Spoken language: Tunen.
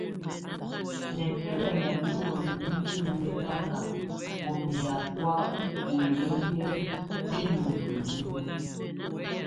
Nɛbɛlɛna nɛ wamɛ muninyə nɛbaka ɔ mayabɔa ɔ hino hɛ bilumbəlúmbə́.